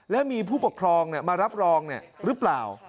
และมีผู้ปกครองมารับรองหรือเปล่า